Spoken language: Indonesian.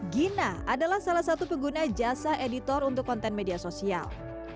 gina adalah salah satu pengguna jasa editor untuk konten media sosial